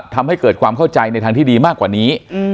ทำให้เกิดความเข้าใจในทางที่ดีมากกว่านี้